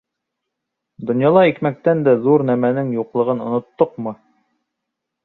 Донъяла икмәктән дә ҙур нәмәнең юҡлығын оноттоҡмо?..